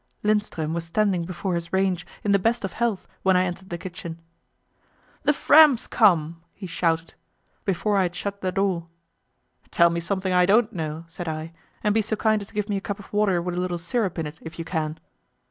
Lindström was standing before his range in the best of health when I entered the kitchen. "The Fram's come!" he shouted, before I had shut the door. "Tell me something I don't know," said I, "and be so kind as to give me a cup of water with a little syrup in it if you can."